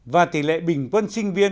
và tỷ lệ bình quân sinh viên